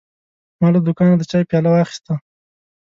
ما له دوکانه د چای پیاله واخیسته.